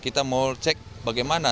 kita mau cek bagaimana